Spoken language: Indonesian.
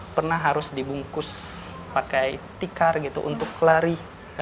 pernah harus dibungkus pakai tikar gitu untuk lari